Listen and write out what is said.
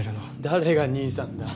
誰が兄さんだ？